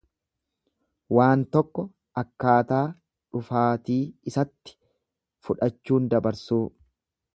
Waan tokko akkaataa dhufaatii isatti fudhachuun dabarsuu.